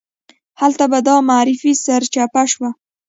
هلته به دا معرفي سرچپه شوه.